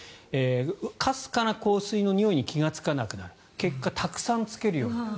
かすかな香水のにおいに気がつかなくなる結果たくさんつけるようになる。